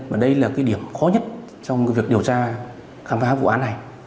và đây là cái điểm khó nhất trong cái việc điều tra khám phá vụ án này